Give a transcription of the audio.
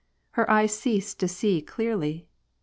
Her eyes ceased to see clearly.